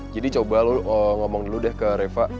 jadi coba lo ngomong dulu deh ke reva